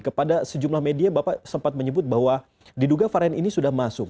kepada sejumlah media bapak sempat menyebut bahwa diduga varian ini sudah masuk